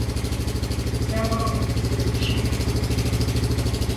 Сэ уэ сурипщылӀкъым!